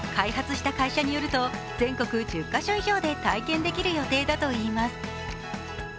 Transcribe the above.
開発した会社によると、全国１０カ所以上で体験できる予定だといいます。